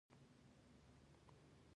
ایا زما لاسونه به شل شي؟